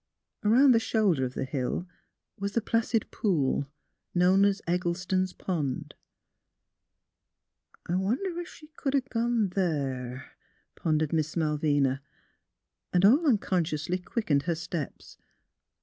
Around the shoulder of the hill was the placid pool, known as Eggleston's Pond. " I wonder ef she could 'a' gone there? " pon WHERE IS SYLVIA? 195 dered Miss Malvina, and all unconsciously quick ened her steps.